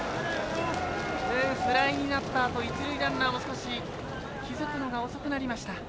フライになったあと一塁ランナーも少し気付くのが遅くなりました。